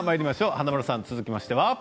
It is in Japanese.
華丸さん、続きましては。